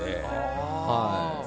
はい。